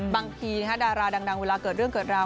บางทีดาราดังเวลาเกิดเรื่องเกิดราว